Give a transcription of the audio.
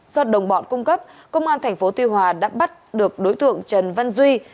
do đồng bọn cung cấp công an tp tuy hòa đã bắt được đối tượng trần văn duy